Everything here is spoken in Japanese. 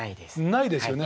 ないですよね